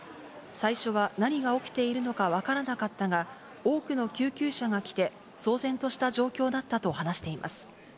最初は何が起きているのか分からなかったが、多くの救急車が来て、騒然とした状況だったと話しています。